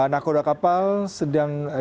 nakoda kapal sedang dibuat